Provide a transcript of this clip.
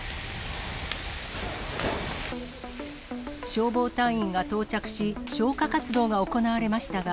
消防隊員が到着し、消火活動が行われましたが。